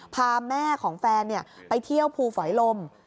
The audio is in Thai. พาแม่ของแฟนไปเที่ยวภูฝอยลม